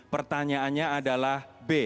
pertanyaannya adalah b